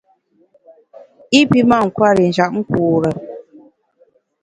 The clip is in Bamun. I pi mâ nkwer i njap nkure.